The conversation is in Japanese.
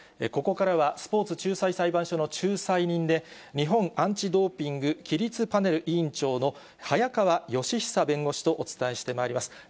ここからは、スポーツ仲裁裁判所の仲裁人で、日本アンチ・ドーピング規律パネル委員長の早川吉尚弁護士とお伝えしてまいります。